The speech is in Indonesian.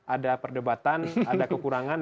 ada perdebatan ada kekurangan